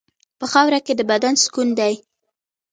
په خاوره کې د بدن سکون دی.